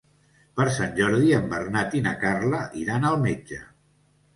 Per Sant Jordi en Bernat i na Carla iran al metge.